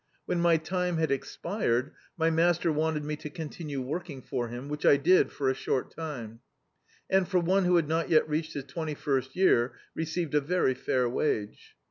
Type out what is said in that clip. When my time had expired, my master wanted me to continue working for him, which I did for a short time; and, for one who had not yet reached his twaity first year, received a very fair wage.